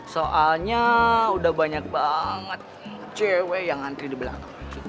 soalnya udah banyak banget cewek yang antri di belakang